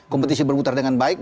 kompetisi berputar dengan baik